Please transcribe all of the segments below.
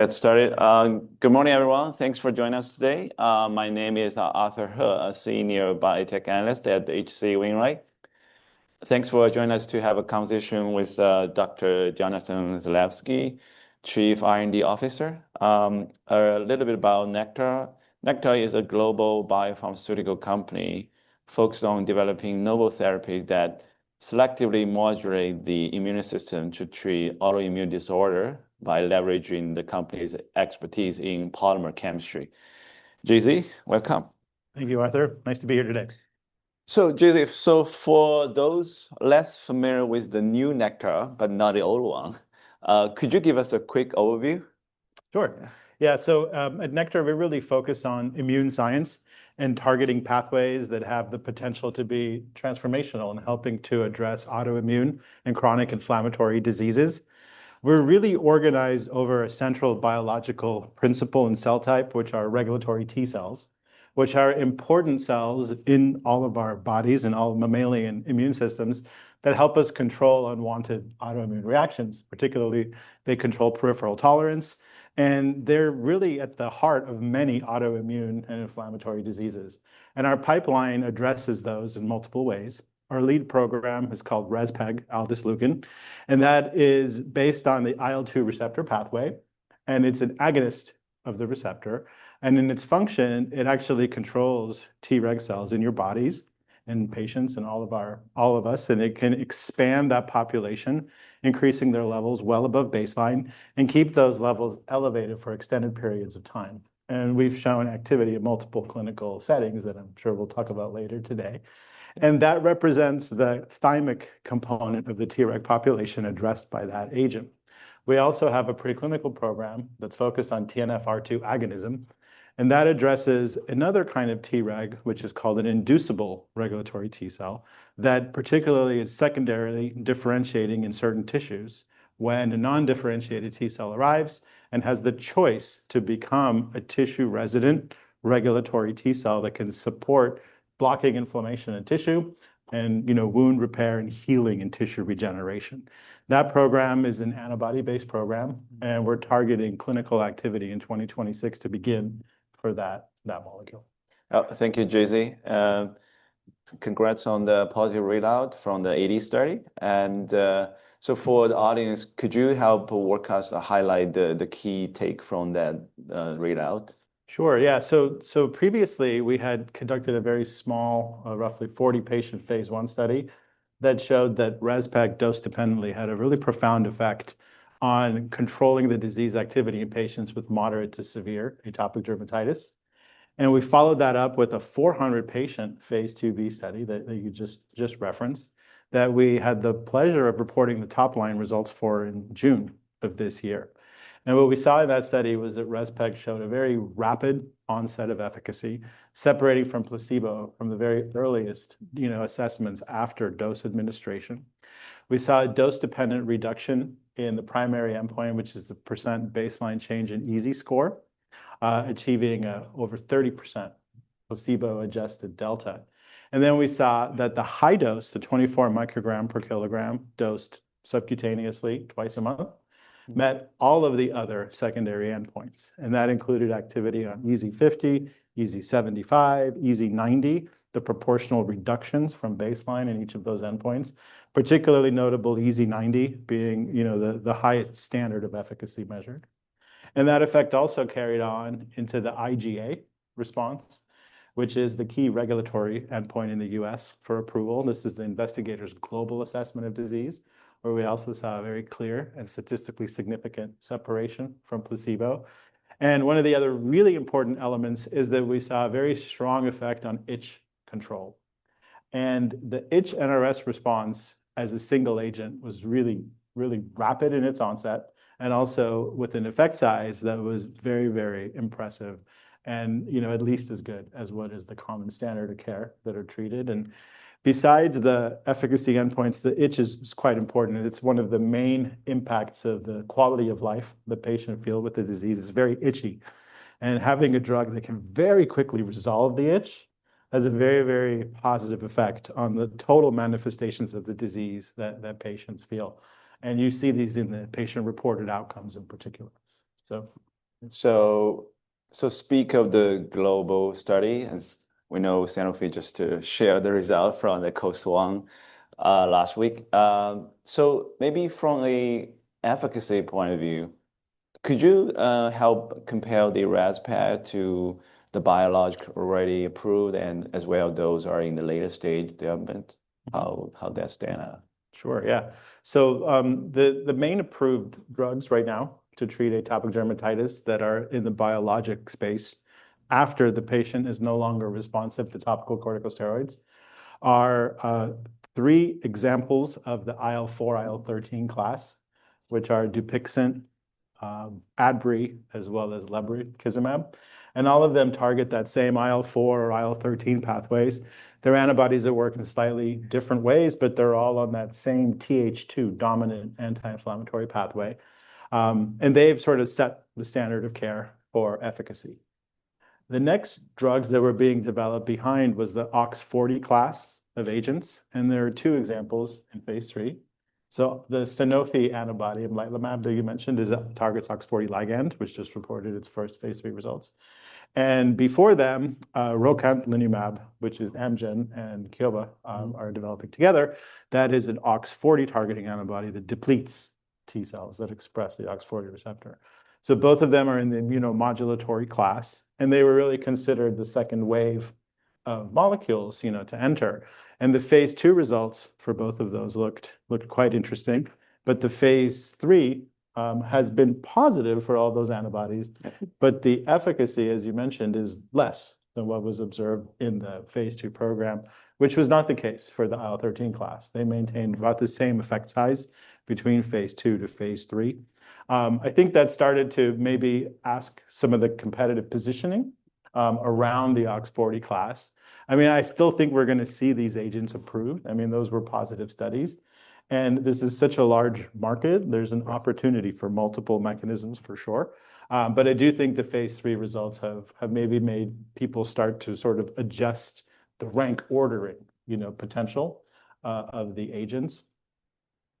Let's start it. Good morning, everyone. Thanks for joining us today. My name is Arthur He, a Senior Biotech Analyst at H.C. Wainwright. Thanks for joining us to have a conversation with Dr. Jonathan Zalevsky, Chief R&D Officer. A little bit about Nektar. Nektar is a global Biopharmaceutical Company focused on developing novel therapies that selectively modulate the immune system to treat autoimmune disorders by leveraging the company's expertise in polymer chemistry. JZ, welcome. Thank you, Arthur. Nice to be here today. JZ, so for those less familiar with the new Nektar, but not the old one, could you give us a quick overview? Sure. Yeah. So at Nektar, we really focus on immune science and targeting pathways that have the potential to be transformational in helping to address autoimmune and chronic inflammatory diseases. We're really organized over a central biological principle and cell type, which are regulatory T cells, which are important cells in all of our bodies and all mammalian immune systems that help us control unwanted autoimmune reactions. Particularly, they control peripheral tolerance, and they're really at the heart of many autoimmune and inflammatory diseases, and our pipeline addresses those in multiple ways. Our lead program is called RezPEG, rezpegaldesleukin, and that is based on the IL-2 receptor pathway, and it's an agonist of the receptor. In its function, it actually controls Treg cells in your bodies and patients and all of us, and it can expand that population, increasing their levels well above baseline and keep those levels elevated for extended periods of time. And we've shown activity in multiple clinical settings that I'm sure we'll talk about later today. And that represents the thymic component of the Treg population addressed by that agent. We also have a preclinical program that's focused on TNFR2 agonism, and that addresses another kind of Treg, which is called an inducible regulatory T cell that particularly is secondarily differentiating in certain tissues when a non-differentiated T cell arrives and has the choice to become a tissue resident regulatory T cell that can support blocking inflammation in tissue and wound repair and healing and tissue regeneration. That program is an antibody-based program, and we're targeting clinical activity in 2026 to begin for that molecule. Thank you, JZ. Congrats on the positive readout from the AD study. So, for the audience, could you help walk us through the key takeaways from that readout? Sure. Yeah, so previously, we had conducted a very small, roughly 40-patient Phase 1 study that showed that RezPEG dose-dependently had a really profound effect on controlling the disease activity in patients with moderate to severe atopic dermatitis. We followed that up with a 400-patient Phase 2b study that you just referenced that we had the pleasure of reporting the top line results for in June of this year. What we saw in that study was that RezPEG showed a very rapid onset of efficacy, separating from placebo from the very earliest assessments after dose administration. We saw a dose-dependent reduction in the primary endpoint, which is the percent baseline change in EASI score, achieving over 30% placebo-adjusted delta. Then we saw that the high dose, the 24 microgram per kilogram dosed subcutaneously twice a month, met all of the other secondary endpoints. That included activity on EASI 50, EASI 75, EASI 90, the proportional reductions from baseline in each of those endpoints, particularly notable EASI 90 being the highest standard of efficacy measured. That effect also carried on into the IgA response, which is the key regulatory endpoint in the U.S. for approval. This is the Investigator's Global Assessment of Disease, where we also saw a very clear and statistically significant separation from placebo. One of the other really important elements is that we saw a very strong effect on itch control. The itch NRS response as a single agent was really, really rapid in its onset and also with an effect size that was very, very impressive and at least as good as what is the common standard of care that are treated. Besides the efficacy endpoints, the itch is quite important. It's one of the main impacts of the quality of life the patient feels with the disease is very itchy. And having a drug that can very quickly resolve the itch has a very, very positive effect on the total manifestations of the disease that patients feel. And you see these in the patient-reported outcomes in particular. Speaking of the global study, as we know, Sanofi just shared the results from the Congress last week. So maybe from an efficacy point of view, could you help compare the RezPEG to the biologics already approved and as well those that are in the latest stages of development? How does that stand out? Sure. Yeah. So the main approved drugs right now to treat atopic dermatitis that are in the biologic space after the patient is no longer responsive to topical corticosteroids are three examples of the IL-4, IL-13 class, which are Dupixent, Adbry, as well as lebrikizumab. And all of them target that same IL-4 or IL-13 pathways. They're antibodies that work in slightly different ways, but they're all on that same Th2 dominant anti-inflammatory pathway. And they've sort of set the standard of care for efficacy. The next drugs that were being developed behind was the OX40 class of agents. And there are two examples in Phase 3. So the Sanofi antibody amlitelimab that you mentioned targets OX40 ligand, which just reported its first Phase 3 results. And before them, rocatinlimab, which Amgen and Kyowa Kirin are developing together, that is an OX40 targeting antibody that depletes T cells that express the OX40 receptor. So both of them are in the immunomodulatory class, and they were really considered the second wave of molecules to enter. And the Phase 2 results for both of those looked quite interesting, but the Phase 3 has been positive for all those antibodies, but the efficacy, as you mentioned, is less than what was observed in the Phase 2 program, which was not the case for the IL-13 class. They maintained about the same effect size between Phase 2 to Phase 3. I think that started to maybe ask some of the competitive positioning around the OX40 class. I still think we're going to see these agents approved. Those were positive studies. This is such a large market. There's an opportunity for multiple mechanisms for sure. But I do think the Phase 3 results have maybe made people start to sort of adjust the rank ordering potential of the agents.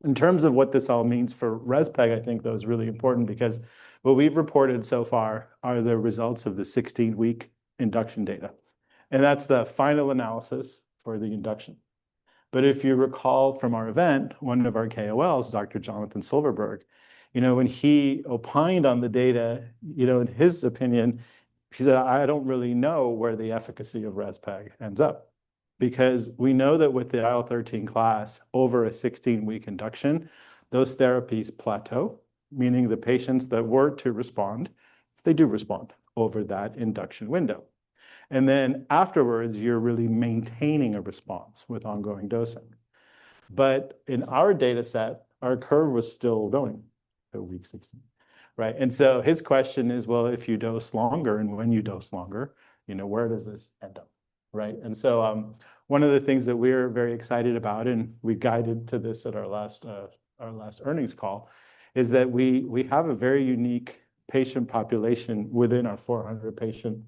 In terms of what this all means for RezPEG, I think that was really important because what we've reported so far are the results of the 16-week induction data. That's the final analysis for the induction. But if you recall from our event, one of our KOLs, Dr. Jonathan Silverberg, when he opined on the data, in his opinion, he said, "I don't really know where the efficacy of RezPEG ends up," because we know that with the IL-13 class, over a 16-week induction, those therapies plateau, meaning the patients that were to respond, they do respond over that induction window. And then afterwards, you're really maintaining a response with ongoing dosing. But in our data set, our curve was still going at week 16. And so his is, "Well, if you dose longer and when you dose longer, where does this end up?" And so one of the things that we're very excited about, and we guided to this at our last earnings call, is that we have a very unique patient population within our 400-patient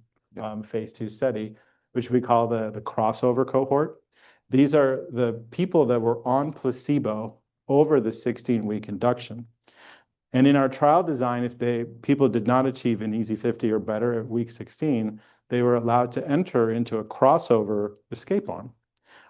Phase 2 study, which we call the crossover cohort. These are the people that were on placebo over the 16-week induction. In our trial design, if people did not achieve an EASI 50 or better at week 16, they were allowed to enter into a crossover escape arm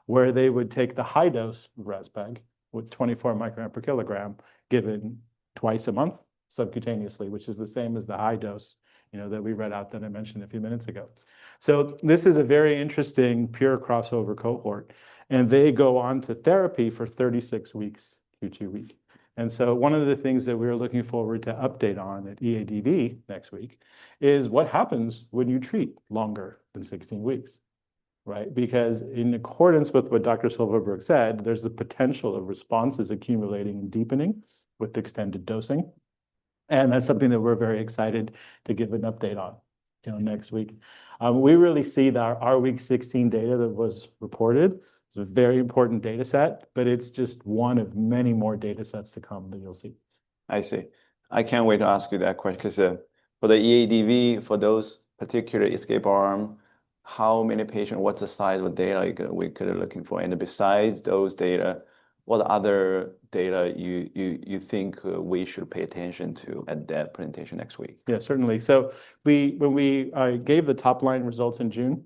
where they would take the high dose RezPEG with 24 microgram per kilogram given twice a month subcutaneously, which is the same as the high dose that we read out that I mentioned a few minutes ago. So this is a very interesting pure crossover cohort, and they go on to therapy for 36 weeks Q2W. One of the things that we're looking forward to update on at EADV next week is what happens when you treat longer than 16 weeks, right? Because in accordance with what Dr. Silverberg said, there's the potential of responses accumulating and deepening with extended dosing. That's something that we're very excited to give an update on next week. We really see that our week 16 data that was reported is a very important data set, but it's just one of many more data sets to come that you'll see. I see. I can't wait to ask you that question because for the EADV, for those particular escape arm, how many patients, what's the size of data we could be looking for, and besides those data, what other data you think we should pay attention to at that presentation next week? Yeah, certainly. So when we gave the top line results in June,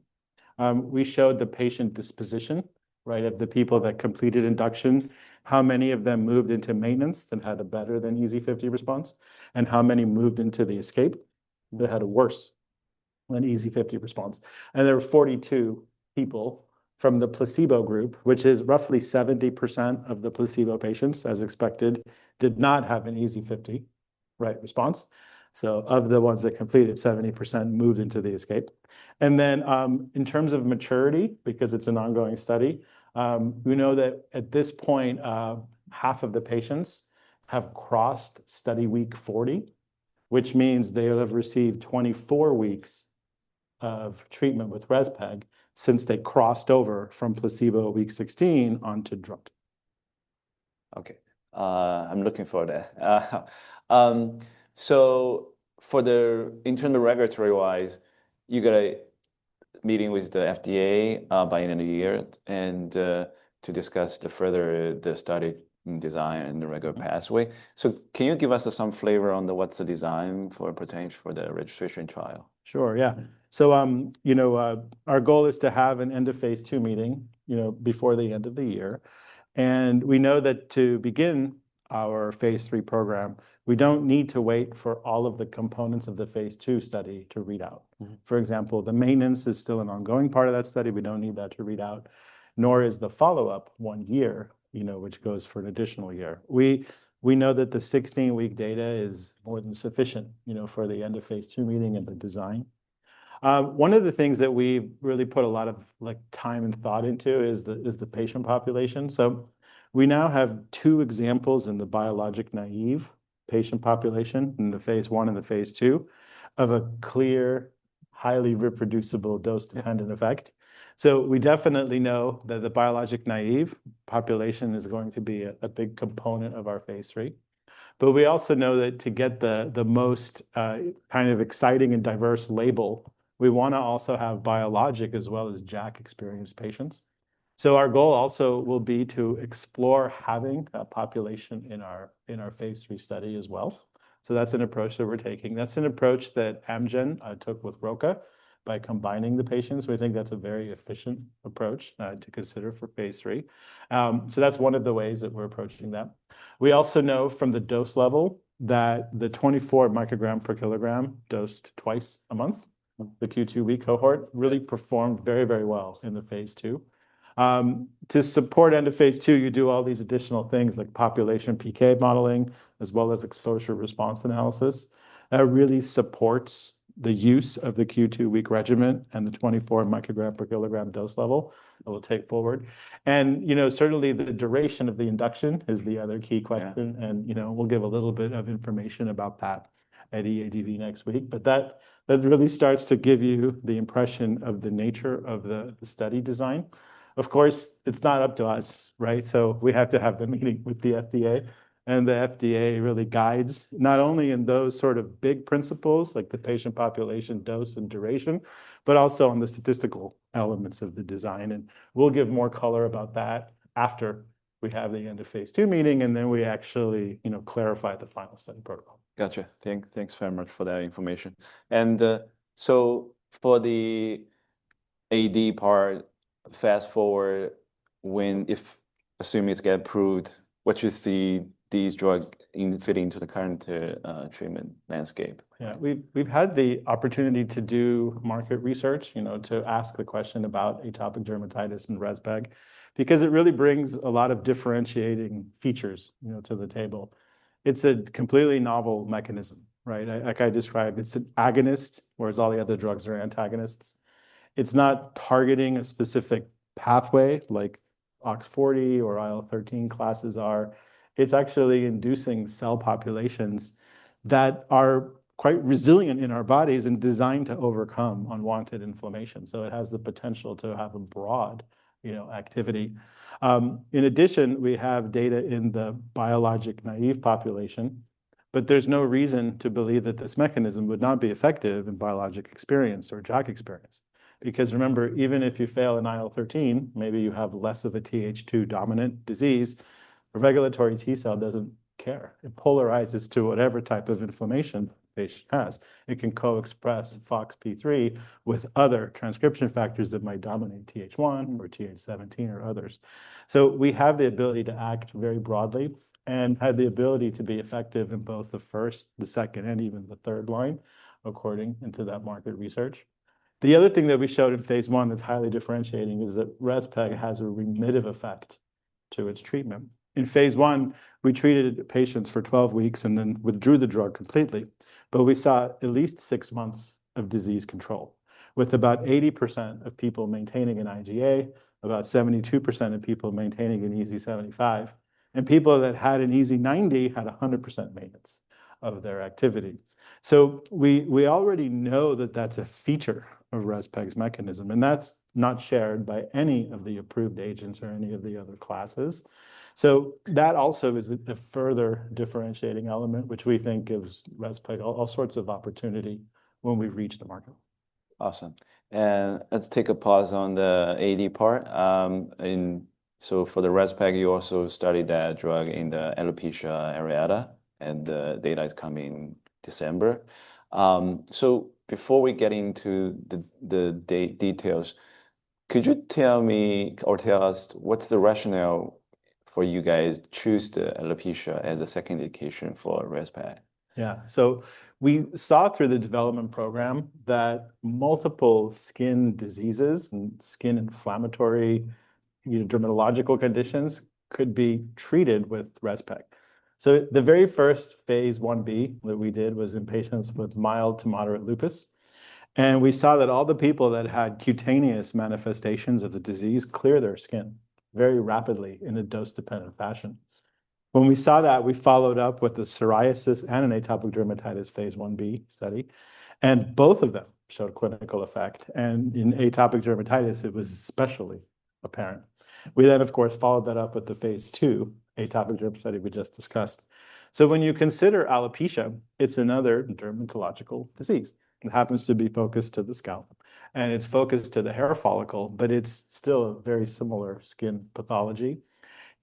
we showed the patient disposition of the people that completed induction, how many of them moved into maintenance that had a better than EASI 50 response, and how many moved into the escape that had a worse than EASI 50 response. And there were 42 people from the placebo group, which is roughly 70% of the placebo patients, as expected, did not have an EASI 50 response. So of the ones that completed, 70% moved into the escape. And then in terms of maturity, because it's an ongoing study, we know that at this point, half of the patients have crossed study week 40, which means they have received 24 weeks of treatment with RezPEG since they crossed over from placebo week 16 onto drug. Okay. I'm looking forward to that. For the internal regulatory-wise, you got a meeting with the FDA by the end of the year to discuss further the study design and the regulatory pathway. Can you give us some flavor on what's the design for potential for the registration trial? Sure. Yeah, so our goal is to have an end of Phase 2 meeting before the end of the year. And we know that to begin our Phase 3 program, we don't need to wait for all of the components of the Phase 2 study to read out. For example, the maintenance is still an ongoing part of that study. We don't need that to read out, nor is the follow-up one year, which goes for an additional year. We know that the 16-week data is more than sufficient for the end of Phase 2 meeting and the design. One of the things that we really put a lot of time and thought into is the patient population, so we now have two examples in the biologic-naive patient population in the Phase 1 and the Phase 2 of a clear, highly reproducible dose-dependent effect. We definitely know that the biologic-naive population is going to be a big component of our Phase 3. But we also know that to get the most kind of exciting and diverse label, we want to also have biologic as well as JAK experienced patients. Our goal also will be to explore having a population in our Phase 3 study as well. That's an approach that we're taking. That's an approach that Amgen took with Roca by combining the patients. We think that's a very efficient approach to consider for Phase 3. That's one of the ways that we're approaching that. We also know from the dose level that the 24 microgram per kilogram dosed twice a month, the q2 week cohort really performed very, very well in the Phase 2. To support end of Phase 2, you do all these additional things like population PK modeling, as well as exposure response analysis that really supports the use of the Q2W regimen and the 24 microgram per kilogram dose level that we'll take forward, and certainly, the duration of the induction is the other key question, and we'll give a little bit of information about that at EADV next week, but that really starts to give you the impression of the nature of the study design. Of course, it's not up to us, right, so we have to have the meeting with the FDA, and the FDA really guides not only in those sort of big principles like the patient population dose and duration, but also on the statistical elements of the design. We'll give more color about that after we have the end-of-Phase 2 meeting, and then we actually clarify the final study protocol. Gotcha. Thanks very much for that information. And so for the AD part, fast forward, when if assuming it's got approved, what you see these drugs fit into the current treatment landscape? Yeah. We've had the opportunity to do market research to ask the question about atopic dermatitis and RezPEG because it really brings a lot of differentiating features to the table. It's a completely novel mechanism, right? Like I described, it's an agonist, whereas all the other drugs are antagonists. It's not targeting a specific pathway like OX40 or IL-13 classes are. It's actually inducing cell populations that are quite resilient in our bodies and designed to overcome unwanted inflammation. So it has the potential to have a broad activity. In addition, we have data in the biologic naive population, but there's no reason to believe that this mechanism would not be effective in biologic experience or JAK experience. Because remember, even if you fail an IL-13, maybe you have less of a Th2 dominant disease, a regulatory T cell doesn't care. It polarizes to whatever type of inflammation the patient has. It can co-express FOXP3 with other transcription factors that might dominate Th1 or Th17 or others. So we have the ability to act very broadly and have the ability to be effective in both the first, the second, and even the third line according to that market research. The other thing that we showed in Phase 1 that's highly differentiating is that RezPEG has a remissive effect to its treatment. In Phase 1, we treated patients for 12 weeks and then withdrew the drug completely. But we saw at least six months of disease control with about 80% of people maintaining an IGA, about 72% of people maintaining an EASI 75, and people that had an EASI 90 had 100% maintenance of their activity. So we already know that that's a feature of RezPEG's mechanism, and that's not shared by any of the approved agents or any of the other classes. So that also is a further differentiating element, which we think gives RezPEG all sorts of opportunity when we reach the market. Awesome. And let's take a pause on the AD part. So for the RezPEG, you also studied that drug in Alopecia Areata, and the data is coming December. So before we get into the details, could you tell me or tell us what's the rationale for you guys choose the alopecia as a second indication for RezPEG? Yeah. So we saw through the development program that multiple skin diseases and skin inflammatory dermatological conditions could be treated with RezPEG. So the very first Phase 1b that we did was in patients with mild to moderate lupus. And we saw that all the people that had cutaneous manifestations of the disease clear their skin very rapidly in a dose-dependent fashion. When we saw that, we followed up with the psoriasis and an atopic dermatitis Phase 1b study, and both of them showed clinical effect. And in atopic dermatitis, it was especially apparent. We then, of course, followed that up with the Phase 2 atopic dermatitis study we just discussed. So when you consider alopecia, it's another dermatological disease. It happens to be focused to the scalp. And it's focused to the hair follicle, but it's still a very similar skin pathology.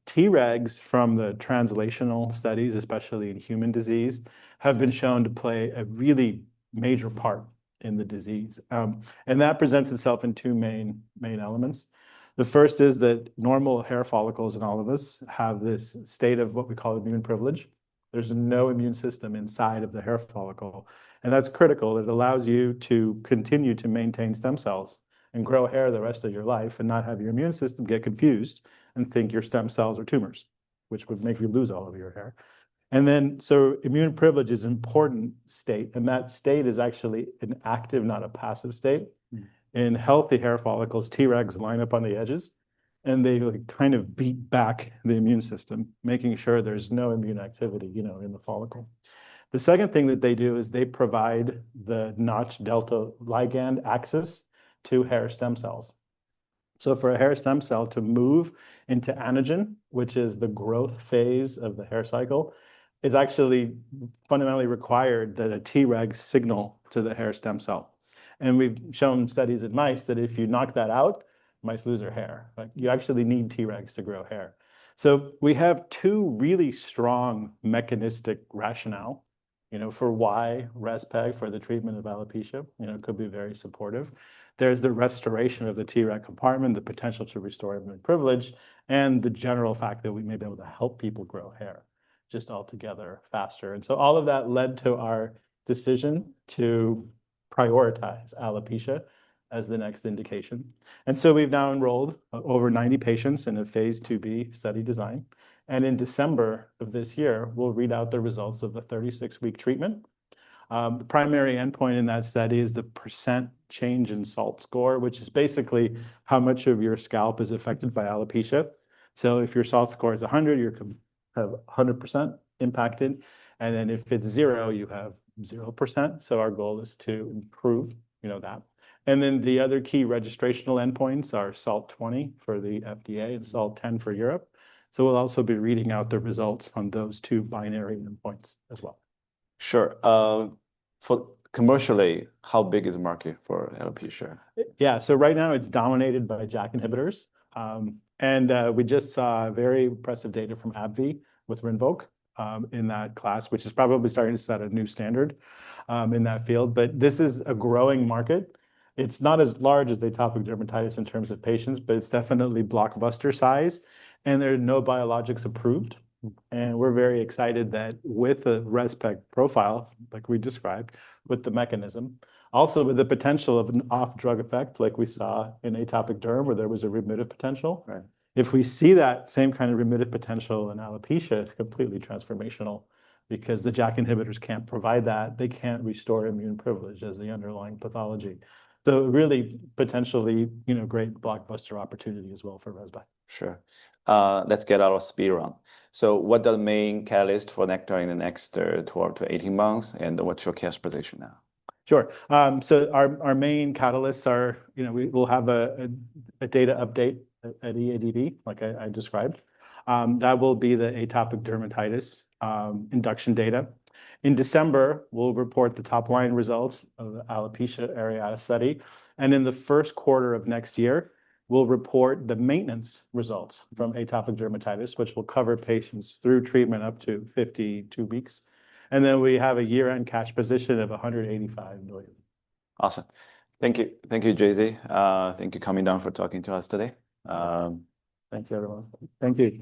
Tregs from the translational studies, especially in human disease, have been shown to play a really major part in the disease. That presents itself in two main elements. The first is that normal hair follicles in all of us have this state of what we call immune privilege. There's no immune system inside of the hair follicle. That's critical. It allows you to continue to maintain stem cells and grow hair the rest of your life and not have your immune system get confused and think your stem cells are tumors, which would make you lose all of your hair. Immune privilege is an important state, and that state is actually an active, not a passive state. In healthy hair follicles, Tregs line up on the edges, and they kind of beat back the immune system, making sure there's no immune activity in the follicle. The second thing that they do is they provide the Notch Delta ligand access to hair stem cells. So for a hair stem cell to move into anagen, which is the growth Phase of the hair cycle, it's actually fundamentally required that a Treg signal to the hair stem cell. And we've shown studies in mice that if you knock that out, mice lose their hair. You actually need Tregs to grow hair. So we have two really strong mechanistic rationale for why RezPEG for the treatment of alopecia could be very supportive. There's the restoration of the Treg compartment, the potential to restore immune privilege, and the general fact that we may be able to help people grow hair just altogether faster. And so all of that led to our decision to prioritize alopecia as the next indication. We've now enrolled over 90 patients in a Phase 2b study design. In December of this year, we'll read out the results of the 36-week treatment. The primary endpoint in that study is the percent change in SALT score, which is basically how much of your scalp is affected by alopecia. If your SALT score is 100, you're 100% impacted. If it's 0, you have 0%. Our goal is to improve that. The other key registrational endpoints are SALT 20 for the FDA and SALT 10 for Europe. We'll also be reading out the results on those two binary endpoints as well. Sure. Commercially, how big is the market for alopecia? Yeah. So right now, it's dominated by JAK inhibitors. And we just saw very impressive data from AbbVie with Rinvoq in that class, which is probably starting to set a new standard in that field. But this is a growing market. It's not as large as atopic dermatitis in terms of patients, but it's definitely blockbuster size. And there are no biologics approved. And we're very excited that with the RezPEG profile, like we described, with the mechanism, also with the potential of an off-drug effect like we saw in atopic derm where there was a remissive potential. If we see that same kind of remissive potential in alopecia, it's completely transformational because the JAK inhibitors can't provide that. They can't restore immune privilege as the underlying pathology. So really, potentially, great blockbuster opportunity as well for RezPEG. Sure. Let's get up to speed on. So what are the main catalysts for Nektar in the next 12-18 months? And what's your cash position now? Sure. So our main catalysts are we'll have a data update at EADV, like I described. That will be the atopic dermatitis induction data. In December, we'll report the top-line results of the alopecia areata study. And in the Q1 of next year, we'll report the maintenance results from atopic dermatitis, which will cover patients through treatment up to 52 weeks. And then we have a year-end cash position of $185 million. Awesome. Thank you. Thank you, JZ. Thank you coming down for talking to us today. Thanks, everyone. Thank you.